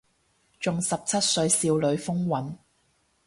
仲十七歲少女風韻